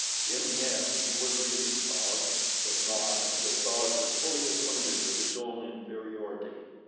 In the end he would release Taug, but not until Taug was fully acquainted with his own inferiority.